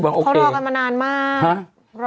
เขารอกันมานานมาก